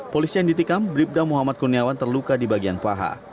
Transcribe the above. polisi yang ditikam bribda muhammad kurniawan terluka di bagian paha